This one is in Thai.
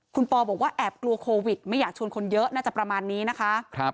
คุณปอบอกว่าแอบกลัวโควิดไม่อยากชวนคนเยอะน่าจะประมาณนี้นะคะ